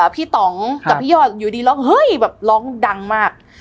พี่ตองกับพี่ยอดอยู่ดีลองดังมาก